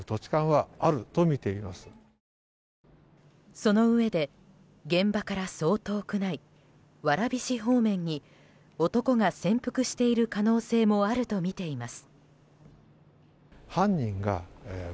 そのうえで現場からそう遠くない蕨市方面に男が潜伏している可能性もあるとみています。